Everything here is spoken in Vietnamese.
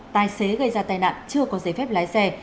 tài xế gây ra tai nạn chưa có giấy phép lái xe